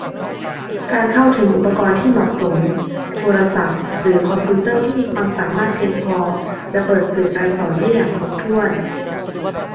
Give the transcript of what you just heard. การเข้าถึงอุปกรณ์ที่เหมาะสม โทรศัพท์หรือคอมพิวเตอร์ที่มีความสามารถเพียงพอจะเปิดสื่อการสอนได้อย่างครบถ้วน